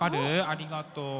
ありがとう。